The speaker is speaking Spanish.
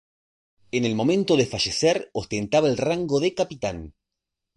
En el momento de fallecer ostentaba el rango de capitán.